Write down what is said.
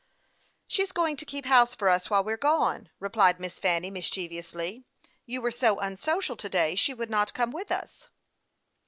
" She is going to keep house for us while we are gone," replied Miss Fanny, mischievously. " You were so unsocial to day she would not come with us."